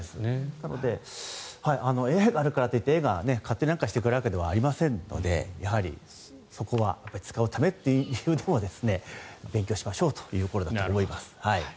なので、ＡＩがあるからといってＡＩが勝手に何かをしてくれるわけじゃありませんのでそこは使うためというにも勉強しましょうというところだと思います。